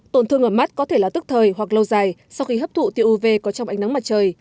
tổn thương ở mắt có thể là tức thời hoặc lâu dài sau khi hấp thụ tiêu uv có trong ánh nắng mặt trời